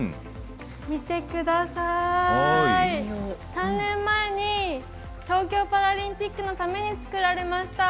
３年前に東京パラリンピックのために作られました。